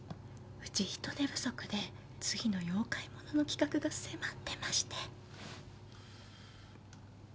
うち人手不足で次の妖怪ものの企画が迫ってまして。